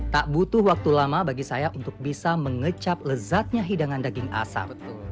tak butuh waktu lama bagi saya untuk bisa mengecap lezatnya hidangan daging asap